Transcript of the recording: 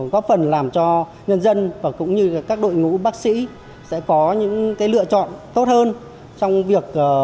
góp phần làm cho nhân dân và cũng như các đội ngũ bác sĩ sẽ có những lựa chọn tốt hơn trong việc